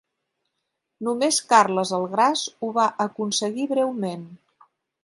Només Carles el Gras ho va aconseguir breument.